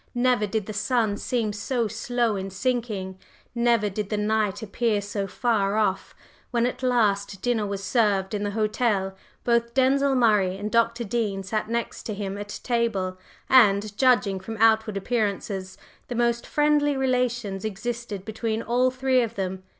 Never did the sun seem so slow in sinking; never did the night appear so far off. When at last dinner was served in the hotel, both Denzil Murray and Dr. Dean sat next to him at table, and, judging from outward appearances, the most friendly relations existed between all three of them.